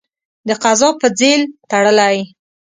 د قضا په ځېل تړلی.